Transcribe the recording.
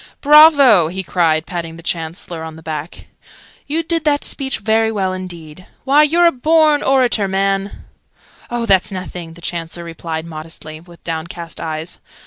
"Bravo!" he cried, patting the Chancellor on the back. "You did that speech very well indeed. Why, you're a born orator, man!" "Oh, that's nothing!" the Chancellor replied, modestly, with downcast eyes.